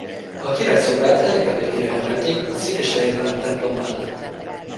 A király szobrát ennek emlékére emelték a székesfehérvári templom mellett.